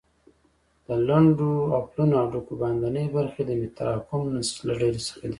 د لنډو او پلنو هډوکو باندنۍ برخې د متراکم نسج له ډلې څخه دي.